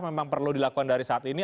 memang perlu dilakukan dari saat ini